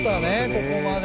ここまで。